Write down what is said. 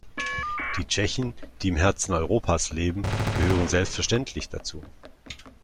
Die Tschechen, die im Herzen Europas leben, gehören selbstverständlich dazu.